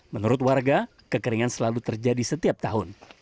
menurut warga kekeringan selalu terjadi setiap tahun